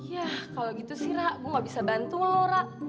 ya kalau gitu sih rat gue nggak bisa bantu lo rat